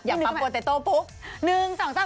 หนึ่งสองแสบ